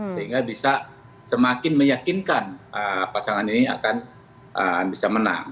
sehingga bisa semakin meyakinkan pasangan ini akan bisa menang